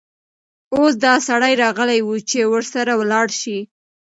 اوس دا سړى راغلى وو، چې ورسره ولاړه شې.